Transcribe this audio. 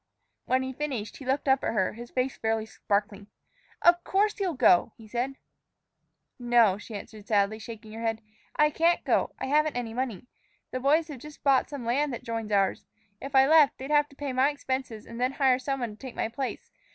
'" When he finished, he looked up at her, his face fairly sparkling. "Of course you'll go," he said. "No," she answered sadly, shaking her head; "I can't go. I haven't any money. The boys have just bought some land that joins ours. If I left, they'd have to pay my expenses and then hire some one to take my place.